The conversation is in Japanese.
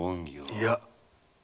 いや！